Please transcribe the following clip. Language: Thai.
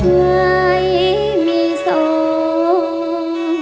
ไม่มีส่วน